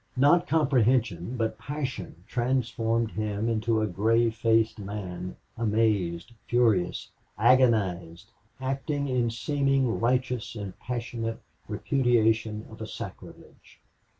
Not comprehension, but passion transformed him into a gray faced man, amazed, furious, agonized, acting in seeming righteous and passionate repudiation of a sacrilege.